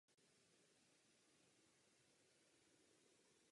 Šlo o vůbec první sovětskou jadernou ponorku.